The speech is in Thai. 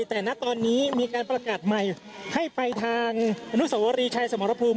แต่ณตอนนี้มีการประกาศใหม่ให้ไปทางอนุสวรีชัยสมรภูมิ